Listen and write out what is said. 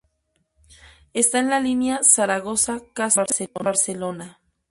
Está en la línea Zaragoza-Caspe-Barcelona.